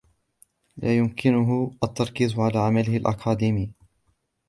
لا يمكنه التركيز على عمله الأكاديمي.